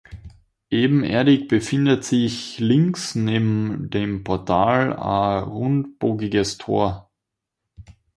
Ebenerdig befindet sich links neben dem Portal ein rundbogiges Tor.